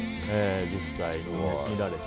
実際に見られて。